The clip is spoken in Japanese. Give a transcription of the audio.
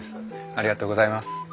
ありがとうございます。